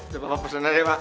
bapak pesen aja pak